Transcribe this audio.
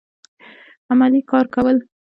عملي کار کول